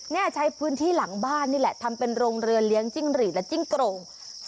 นี่ใช้พื้นที่หลังบ้านนี่แหละทำเป็นโรงเรือเลี้ยงจิ้งหรีดและจิ้งโกรง